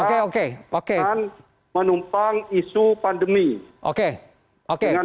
apakah segitu ditentukan imp wrapping school zwei depan